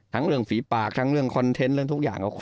เรื่องฝีปากทั้งเรื่องคอนเทนต์เรื่องทุกอย่าง